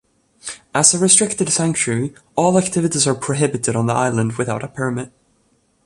As a restricted sanctuary, all activities are prohibited on the island without a permit.